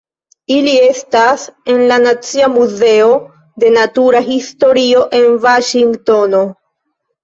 Ili estas en la Nacia Muzeo de Natura Historio en Vaŝingtono.